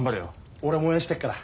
俺も応援してっから。